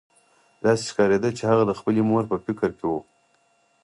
داسې ښکارېده چې هغه د خپلې مور په فکر کې و